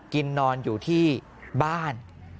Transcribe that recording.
กินนอนอยู่ที่บ้าน